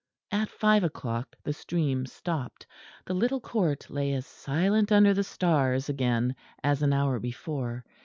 At five o'clock the stream stopped. The little court lay as silent under the stars again as an hour before.